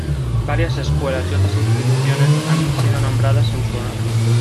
Varias escuelas y otras instituciones han sido nombradas en su honor.